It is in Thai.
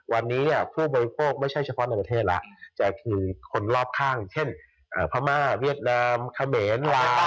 วันนี้ผู้บริโภคไม่ใช่เฉพาะในประเทศแล้วแต่คือคนรอบข้างเช่นพม่าเวียดนามเขมรลาว